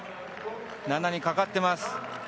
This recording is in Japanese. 菜那にかかっています。